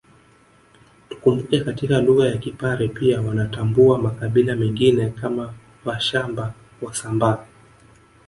Tukumbuke katika lugha ya Kipare pia wanatambua makabila mengine kama Vashamba Wasambaa